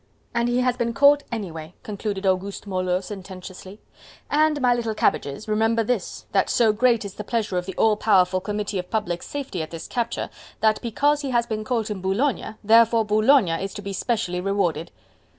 "And he has been caught anyway," concluded Auguste Moleux sententiously, "and, my little cabbages, remember this, that so great is the pleasure of the all powerful Committee of Public Safety at this capture, that because he has been caught in Boulogne, therefore Boulogne is to be specially rewarded!"